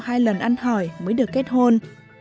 hai lần ăn hỏi mới được kết hôn